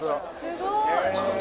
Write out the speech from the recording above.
すごい。